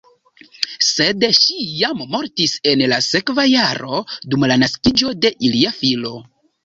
Sed ŝi jam mortis en la sekva jaro dum la naskiĝo de ilia filo.